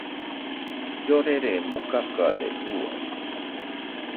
Lloreremo kakade uai.